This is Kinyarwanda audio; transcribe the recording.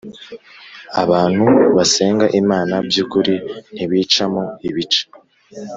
Abantu basenga Imana by ukuri ntibicamo ibice